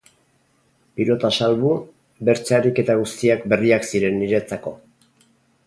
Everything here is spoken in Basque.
Pilota salbu, bertze ariketa guztiak berriak ziren niretako.